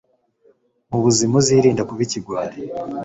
m' ubuzima uzirinde kuba ikigwari: